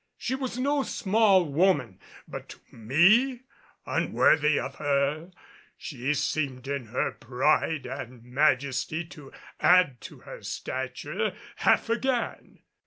She was no small woman, but to me, unworthy of her, she seemed in her pride and majesty to add to her stature half again.